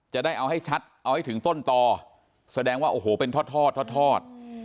จะได้เอาให้ชัดเอาให้ถึงต้นต่อแสดงว่าโอ้โหเป็นทอดทอด